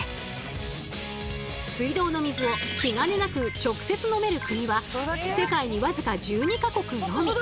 水道の水を気兼ねなく直接飲める国は世界に僅か１２か国のみ。